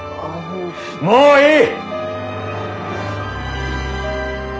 もういい！